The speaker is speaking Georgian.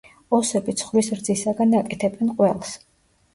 ოსები ცხვრის რძისაგან აკეთებენ ყველს.